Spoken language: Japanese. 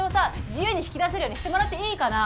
自由に引き出せるようにしてもらっていいかな？